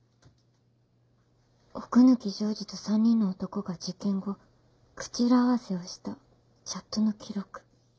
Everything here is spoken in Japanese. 奥貫譲次と３人の男が事件後口裏合わせをしたチャットの記録。